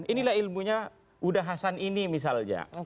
inilah ilmunya udah hasan ini misalnya